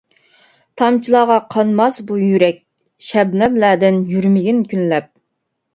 تامچىلارغا قانماس بۇ يۈرەك، شەبنەملەردىن يۈرمىگىن كۈنلەپ.